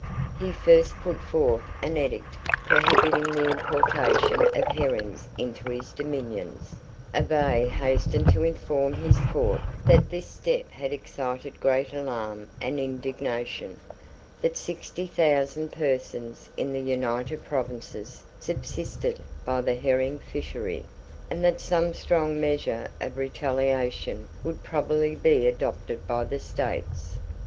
He first put forth an edict prohibiting the importation of herrings into his dominions, Avaux hastened to inform his court that this step had excited great alarm and indignation, that sixty thousand persons in the United Provinces subsisted by the herring fishery, and that some strong measure of retaliation would probably be adopted by the States.